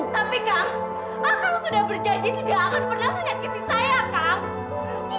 tapi kang kamu sudah berjanji tidak akan pernah menyakiti saya kang